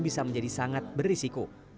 bisa menjadi sangat berisiko